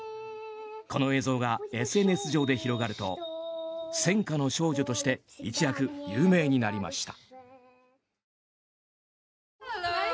この映像がＳＮＳ上で広がると戦禍の少女として一躍有名になりました。